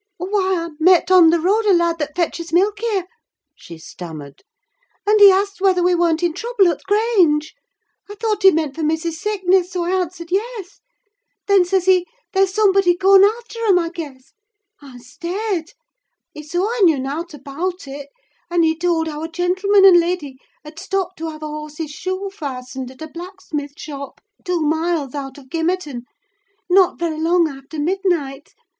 "Why, I met on the road a lad that fetches milk here," she stammered, "and he asked whether we weren't in trouble at the Grange. I thought he meant for missis's sickness, so I answered, yes. Then says he, 'There's somebody gone after 'em, I guess?' I stared. He saw I knew nought about it, and he told how a gentleman and lady had stopped to have a horse's shoe fastened at a blacksmith's shop, two miles out of Gimmerton, not very long after midnight!